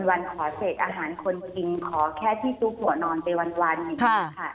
วันขอเศษอาหารคนกินขอแค่ที่ตุ๊กหัวนอนไปวันอย่างนี้ค่ะ